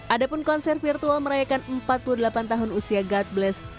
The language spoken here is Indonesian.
adapun konser virtual merayakan empat puluh delapan tahun usia god bless